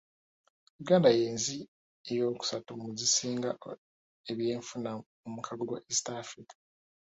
Uganda y'ensi eyokusatu mu zisinga ebyenfuna mu mukago gwa East Africa